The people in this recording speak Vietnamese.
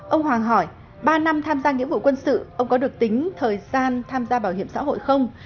ông hoàng hỏi ba năm tham gia nghĩa vụ quân sự ông có được tính thời gian tham gia bảo hiểm xã hội không